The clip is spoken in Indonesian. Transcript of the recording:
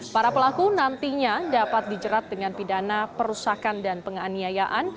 para pelaku nantinya dapat dijerat dengan pidana perusakan dan penganiayaan